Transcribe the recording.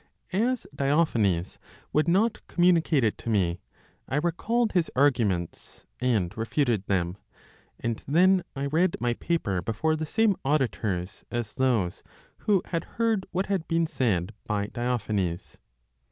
As Diophanes would not communicate it to me, I recalled his arguments, and refuted them; and then I read my paper before the same auditors as those who had heard what had been said by Diophanes.